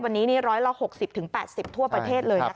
วันนี้นี่๑๖๐๘๐ทั่วประเทศเลยนะคะ